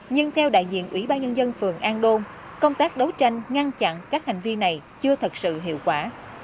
nhưng theo đại diện ủy ban nhân dân phường an đôn công tác đấu tranh ngăn chặn các hành vi này chưa thật sự hiệu quả